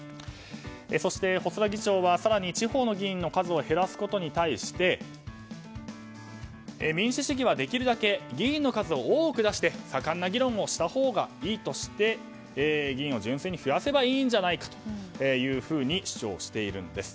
そして、細田議長は地方の議員の数を減らすことに対して民主主義はできるだけ議員の数を多く出して盛んな議論をしたほうがいいとして議員を純粋に増やせばいいんじゃないかと主張しているんです。